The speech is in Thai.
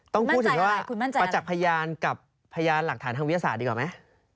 ต้องพูดถึงว่าประจักษ์พยานกับพยานหลักฐานทางวิทยาศาสตร์ดีกว่าไหม